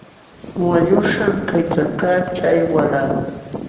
Waqlluśhqam kaykalkaa chay walah.